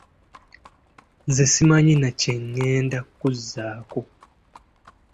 Nze simanyi na kye ղղenda kuzzaako.